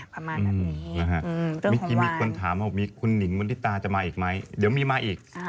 ประมาณแบบนี้อืมเรื่องของวันมีคนถามว่ามีคุณหนิงวันนี้ตาจะมาอีกไหมเดี๋ยวมีมาอีก